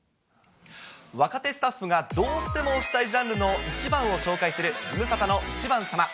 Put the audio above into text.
若手スタッフがどうしても推したいジャンルの１番を紹介するズムサタの１番さま。